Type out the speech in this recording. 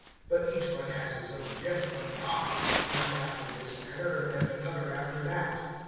But each one has his own gift from God, one after this manner, and another after that.